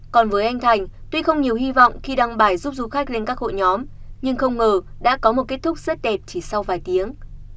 còn với anh thành tuy không nhiều hy vọng khi đăng bài giúp du khách lên các hội nhóm nhưng không ngờ đã có một kết thúc rất đẹp chỉ sau vài tiếng